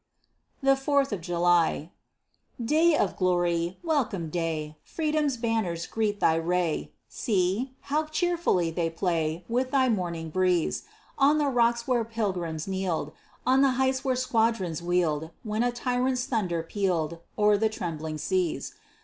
THE FOURTH OF JULY Day of glory! Welcome day! Freedom's banners greet thy ray; See! how cheerfully they play With thy morning breeze, On the rocks where pilgrims kneeled, On the heights where squadrons wheeled, When a tyrant's thunder pealed O'er the trembling seas.